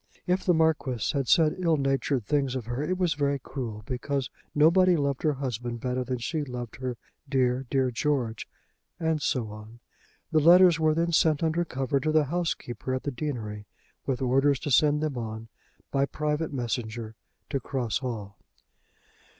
If the Marquis had said ill natured things of her it was very cruel, because nobody loved her husband better than she loved her dear, dear George, and so on. The letters were then sent under cover to the housekeeper at the deanery, with orders to send them on by private messenger to Cross Hall.